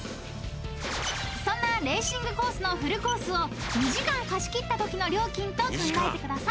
［そんなレーシングコースのフルコースを２時間貸し切ったときの料金と考えてください］